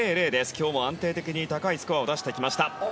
今日も安定的に高いスコアを出してきました。